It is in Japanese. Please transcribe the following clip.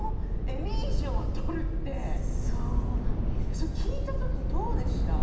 それ聞いたときどうでした？